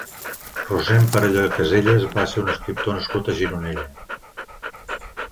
Rossend Perelló i Casellas va ser un escriptor nascut a Gironella.